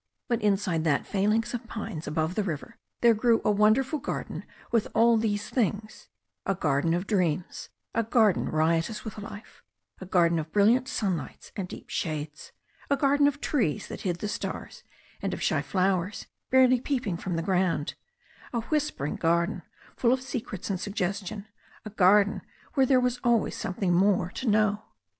But inside that phalanx of pines above the river there grew a wonderful garden with all these things; a garden of dreams, a garden riotous with life; a garden of brilliant sunlights and deep shades; a garden of trees that hid the stars and of shy flowers barely peeping from the ground; a whispering garden full of secrets and sugges tion; a garden where there was always something more to know.